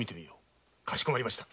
かしこまりました。